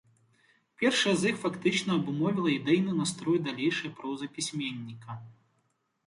Першая з іх фактычна абумовіла ідэйны настрой далейшай прозы пісьменніка.